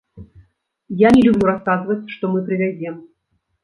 Я не люблю расказваць, што мы прывязем.